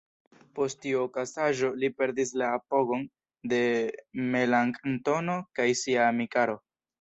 Post tiu okazaĵo, li perdis la apogon de Melanktono kaj sia amikaro.